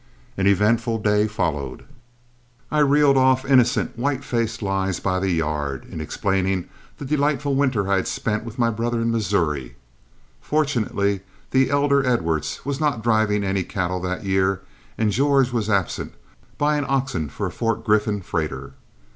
An eventful day followed; I reeled off innocent white faced lies by the yard, in explaining the delightful winter I had spent with my brother in Missouri. Fortunately the elder Edwards was not driving any cattle that year, and George was absent buying oxen for a Fort Griffin freighter.